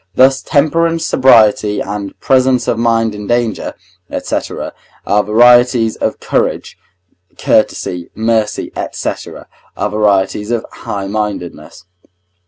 Thus temperance, sobriety, and presence of mind in danger, &c., are varieties of courage; courtesy, mercy, &c., are varieties of highmindedness.